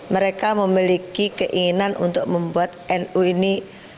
mereka memiliki keinginan untuk membuat nu ini